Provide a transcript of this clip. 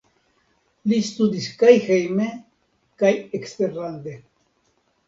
Li studis kaj hejme kaj eksterlande.